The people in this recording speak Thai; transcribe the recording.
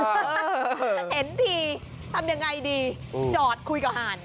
ถ้าเห็นทีทำยังไงดีจอดคุยกับหาด